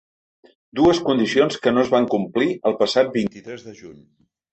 Dues condicions que no es van complir el passat vint-i-tres de juny.